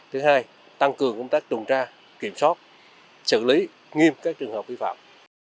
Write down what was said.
thứ hai tăng cường công tác trùng tra kiểm soát xử lý nghiêm các trường hợp biển phòng